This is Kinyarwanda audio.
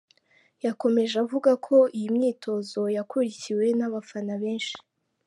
Yakomeje avuga ko iyi myitozo yakurikiwe n’abafana benshi.